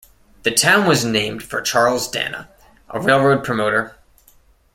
The town was named for Charles Dana, a railroad promoter.